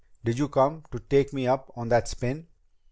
"Did you come to take me up on that spin?"